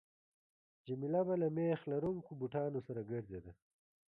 جميله به له میخ لرونکو بوټانو سره ګرځېده.